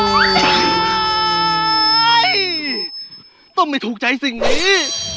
โอ้โหต้องไม่ถูกใจสิ่งนี้